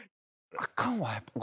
あかんわやっぱ。